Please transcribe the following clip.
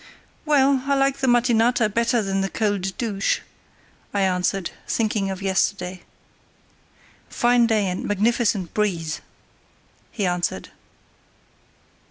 "Well, I like the mattinata better than the cold douche," I answered, thinking of yesterday. "Fine day and magnificent breeze!" he answered.